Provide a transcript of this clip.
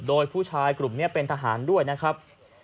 โดยผู้ชายกลุ่มนี้เป็นทหารด้วยนะครับ